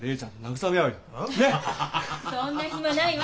そんな暇ないわ！